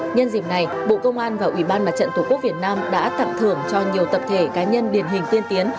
nhân dịp này bộ công an và ủy ban mặt trận tổ quốc việt nam đã tặng thưởng cho nhiều tập thể cá nhân điển hình tiên tiến